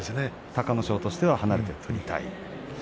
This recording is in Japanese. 隆の勝としては離れて取りたいですね。